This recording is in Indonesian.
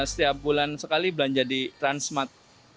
setiap bulan sekali belanja di transmart